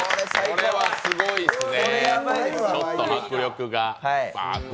これはすごいですね、迫力が。